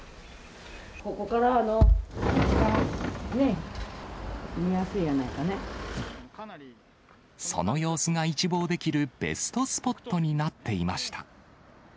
ここからが見やすいんやないその様子が一望できるベストスポットになっていました。